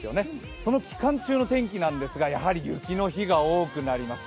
この期間中の天気なんですがやはり雪の日が多くなります。